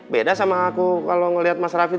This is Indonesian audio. beda sama aku kalau ngeliat mas raffi